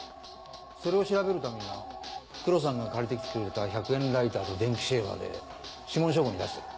それを調べるために黒さんが借りてきてくれた１００円ライターと電気シェーバーで指紋照合に出してる。